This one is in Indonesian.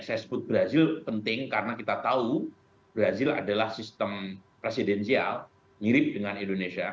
saya sebut brazil penting karena kita tahu brazil adalah sistem presidensial mirip dengan indonesia